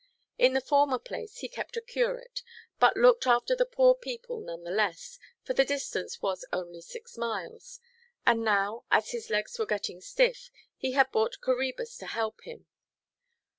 At the former place he kept a curate, but looked after the poor people none the less, for the distance was only six miles; and now, as his legs were getting stiff, he had bought Coræbus to help him.